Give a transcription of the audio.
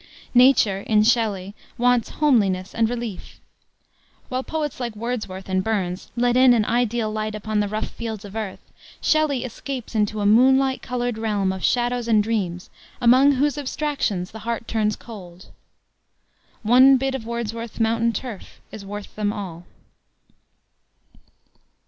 Nature, in Shelley, wants homeliness and relief. While poets like Wordsworth and Burns let in an ideal light upon the rough fields of earth, Shelley escapes into a "moonlight colored" realm of shadows and dreams, among whose abstractions the heart turns cold. One bit of Wordsworth's mountain turf is worth them all.